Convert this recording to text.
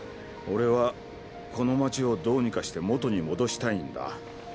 俺はこの街をどうにかして元に戻したいんだ。